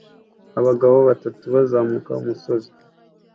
Abagabo batatu bazamuka umusozi